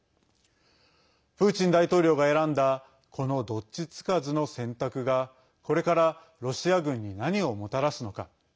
プーチン大統領が選んだこのどっちつかずの選択がこれから、ロシア軍に何をもたらすのか。